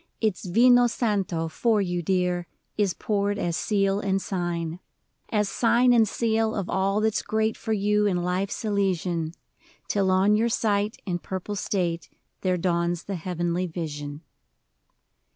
Its vino santo for you, dear, Is poured as seal and sign — As sign and seal of all that 's great For you, in life's Elysian : Till on your sight, in purple state. There dawns the Heavenly Vision